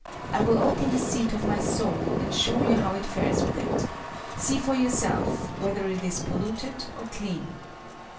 "I will open the seat of my soul and show you how it fares with it. See for yourself whether it is polluted or clean."